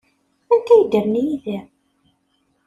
Anti ay yeddren yid-m?